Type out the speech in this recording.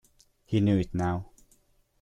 He knew it now.